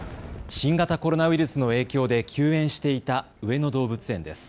新型コロナウイルスの影響で休園していた上野動物園です。